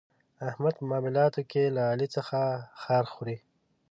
احمد په معاملاتو کې له علي څخه خار خوري.